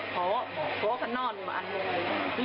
ค่อยกินเลยแห้งแล้วได้นี่